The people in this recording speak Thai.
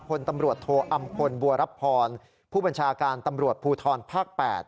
พลตำรวจโทอำพลบัวรับพรผู้บัญชาการตำรวจภูทรภาค๘